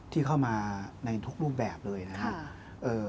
ที่เข้ามาในทุกรูปแบบเลยนะครับ